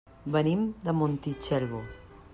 Venim de Montitxelvo.